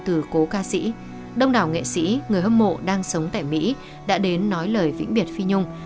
từ cố ca sĩ đông đảo nghệ sĩ người hâm mộ đang sống tại mỹ đã đến nói lời vĩnh biệt phi nhung